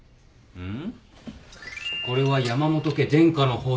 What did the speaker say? うん。